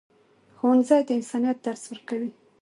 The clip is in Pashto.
ښوونځی د انسانیت درس ورکوي.